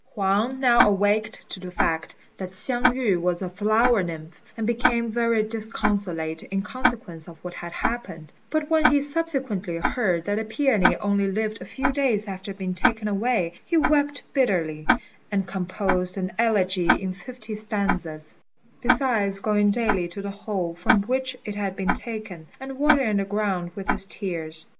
Huang now awaked to the fact that Hsiang yü was a flower nymph, and became very disconsolate in consequence of what had happened; but when he subsequently heard that the peony only lived a few days after being taken away, he wept bitterly, and composed an elegy in fifty stanzas, besides going daily to the hole from which it had been taken, and watering the ground with his tears.